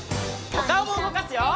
おかおもうごかすよ！